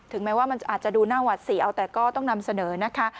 แม้ว่ามันอาจจะดูหน้าหวัดเสียเอาแต่ก็ต้องนำเสนอนะคะ